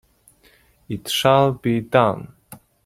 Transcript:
It shall be done!